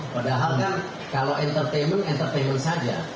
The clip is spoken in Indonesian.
padahal kan kalau entertainment entertainment saja